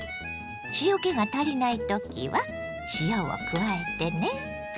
塩けが足りないときは塩を加えてね。